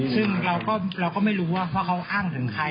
ซึ่งเราก็ไม่รู้ว่าเขาอ้างถึงใคร